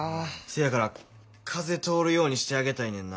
せやから風通るようにしてあげたいねんな。